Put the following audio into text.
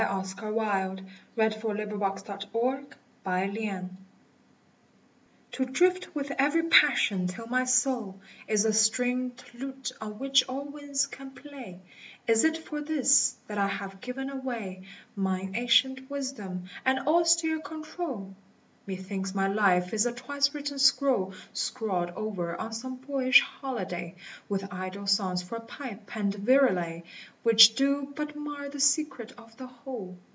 Oxford, March, 1878 \* POEMS MDCCCLXXXI HELAS! TO drift with every passion till my soul Is a stringed lute on which all winds can play, Is it for this that I have given away Mine ancient wisdom, and austere control t Methinhs my life is a twice written scroll Scrawled over on some boyish holiday With idle songs for pipe and virelay, Which do but mar the secret of the whole.